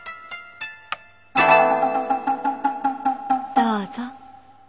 どうぞ。